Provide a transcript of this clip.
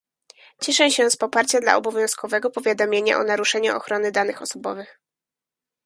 Cieszę się z poparcia dla obowiązkowego powiadamiania o naruszeniu ochrony danych osobowych